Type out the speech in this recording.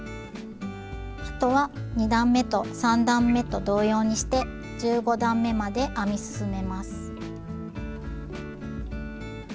あとは２段めと３段めと同様にして１５段めまで編み進めます。